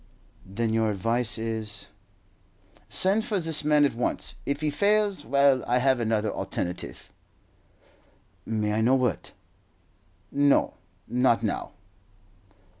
"Then your advice is " "Send for this man at once. If he fails well, I have another alternative." "May I know what?" "No, not now."